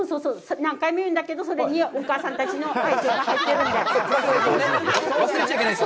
何回も言うんだけど、それにお母さんたちの愛情が入ってるんです。